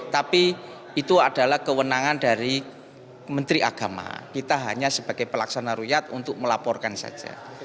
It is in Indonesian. tapi itu adalah kewenangan dari menteri agama kita hanya sebagai pelaksana ruyat untuk melaporkan saja